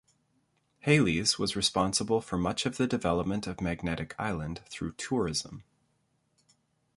Hayles was responsible for much of the development of Magnetic Island through tourism.